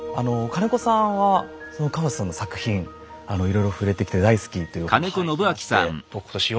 金子さんは河津さんの作品いろいろ触れてきて大好きというお話を聞きまして。